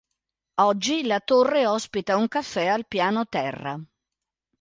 Oggi la torre ospita un caffè al piano terra.